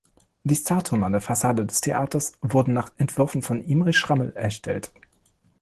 Die Statuen an der Fassade des Theaters wurden nach Entwürfen von Imre Schrammel erstellt.